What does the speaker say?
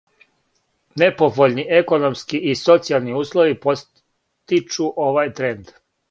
Неповољни економски и социјални услови подстичу овај тренд.